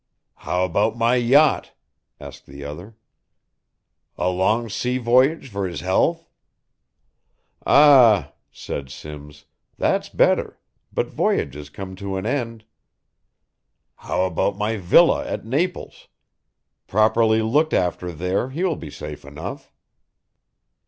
"How about my yacht?" asked the other. "A long sea voyage for his health?" "Ah," said Simms, "that's better, but voyages come to an end." "How about my villa at Naples? Properly looked after there he will be safe enough."